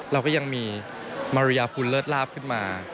เราก็ยังมีมาริยาคุณเลิศลาบขึ้นมา